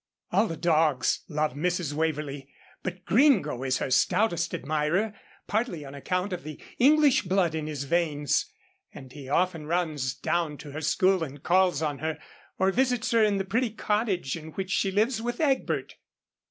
All the dogs love Mrs. Waverlee, but Gringo is her stoutest admirer, partly on account of the English blood in his veins, and he often runs down to her school and calls on her, or visits her in the pretty cottage in which she lives with Egbert.